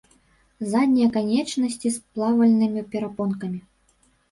Заднія канечнасці з плавальнымі перапонкамі.